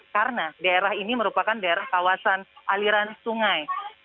karena daerah ini merupakan daerah kawasan aliran sungai